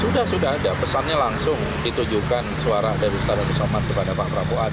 sudah sudah ada pesannya langsung ditujukan suara dari ustadz abu somad kepada pak prabowo